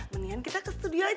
mendingan kita ke studio aja